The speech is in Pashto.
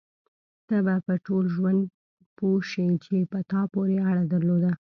ته به په ټول ژوند پوه شې چې په تا پورې اړه درلوده.